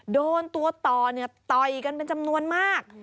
โดนตัวต่อต่อยกันเป็นจำนวนมาก